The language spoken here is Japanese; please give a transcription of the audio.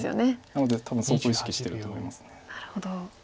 なので多分相当意識してると思います。